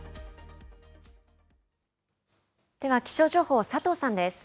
では気象情報、佐藤さんです。